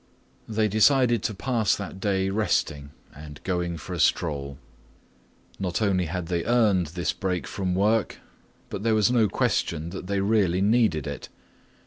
They decided to pass that day resting and going for a stroll. Not only had they earned this break from work, but there was no question that they really needed it.